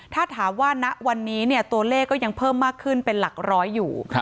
ถ้าถามว่าณวันนี้ตัวเลขก็ยังเพิ่มมากขึ้นเป็นหลักร้อยอยู่